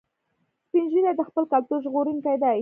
سپین ږیری د خپل کلتور ژغورونکي دي